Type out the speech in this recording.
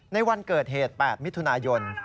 ในวันเกิดเหตุ๘มิถุนายน